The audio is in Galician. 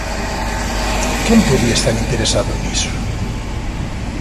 ¿Quen podía estar interesado niso?